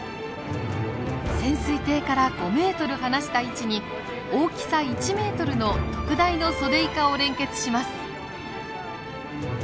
潜水艇から５メートル離した位置に大きさ１メートルの特大のソデイカを連結します。